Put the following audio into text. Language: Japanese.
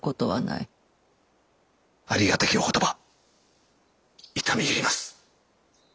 ありがたきお言葉痛み入ります。